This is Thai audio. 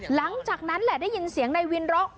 หลังจากนั้นแหละได้ยินเสียงนายวินร็อก